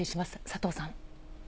佐藤さん。